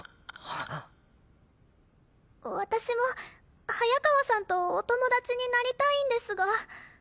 私も早川さんとお友達になりたいんですが。